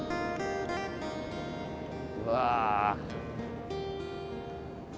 うわ。